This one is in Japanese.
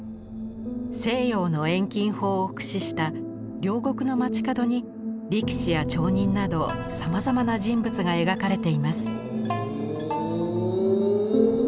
西洋の遠近法を駆使した両国の街角に力士や町人などさまざまな人物が描かれています。